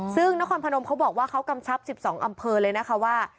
ซึ่งนครพนมเขาบอกว่าเขากำชับ๑๒อำเภอเลยนะคะว่า